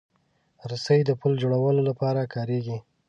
رسۍ د پُل جوړولو لپاره کارېږي.